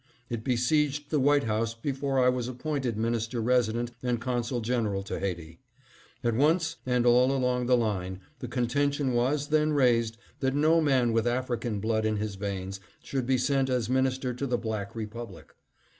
It besieged the White House before I was appointed Minister Resident and Consul General to Haiti. At once and all along the line, the contention was then raised that no man with African blood in his veins should be sent as minister to the Black Republic.